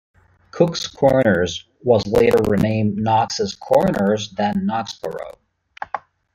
Cook's Corners was later renamed Knox's Corners then Knoxboro.